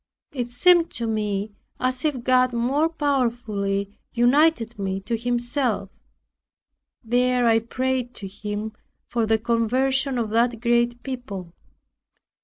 It seemed to me as if God more powerfully united me to Himself. There I prayed to Him for the conversion of that great people.